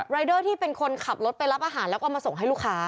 รายเดอร์ที่เป็นคนขับรถไปรับอาหารแล้วก็มาส่งให้ลูกค้า